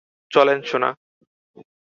চলো, সোনা।